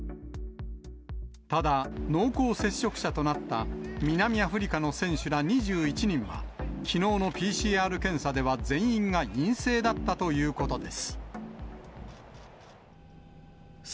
ただ、濃厚接触者となった南アフリカの選手ら２１人は、きのうのＰＣＲ検査では全員が陰性だったということです。